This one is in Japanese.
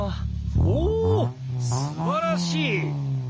おおすばらしい！